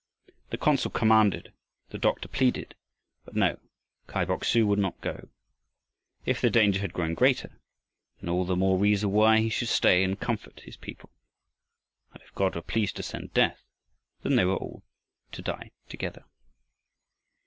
The consul commanded, the doctor pleaded, but no, Kai Bok su would not go. If the danger had grown greater, then all the more reason why he should stay and comfort his people. And if God were pleased to send death, then they would all die together.